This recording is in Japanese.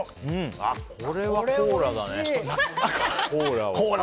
これはコーラだね。